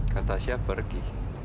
kak tasya pergi